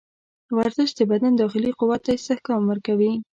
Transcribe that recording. ورزش د بدن داخلي قوت ته استحکام ورکوي.